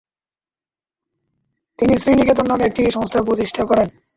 তিনি শ্রীনিকেতন নামে একটি সংস্থা প্রতিষ্ঠা করেন।